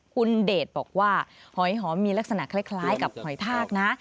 คุณเดชบอกว่าหอยหอมมีลักษณะคล้ายกับหอยทากนะ